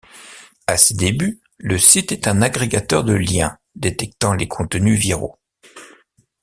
À ses débuts, le site est un agrégateur de liens détectant les contenus viraux.